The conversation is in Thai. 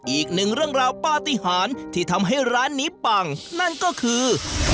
อีกหนึ่งเรื่องราวปฏิหารที่ทำให้ร้านนี้ปังนั่นก็คือ